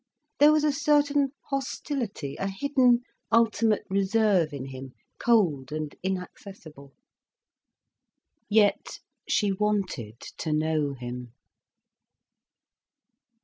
There was a certain hostility, a hidden ultimate reserve in him, cold and inaccessible. Yet she wanted to know him.